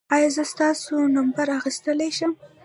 ایا زه ستاسو نمبر اخیستلی شم؟